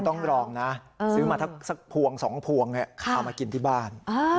ต้องรองนะซื้อมาสักพวง๒พวงเอามากินที่บ้าน